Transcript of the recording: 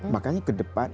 makanya ke depan